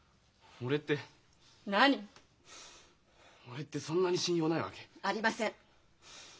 俺ってそんなに信用ないわけ？ありません。